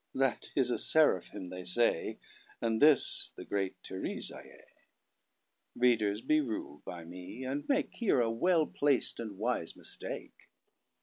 That is a Seraphim, they sayAnd this the great Teresia.Readers, be rul'd by me; and makeHere a well plac't and wise mistake.